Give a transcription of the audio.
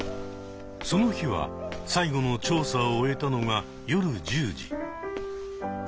その日は最後の調査を終えたのが夜１０時。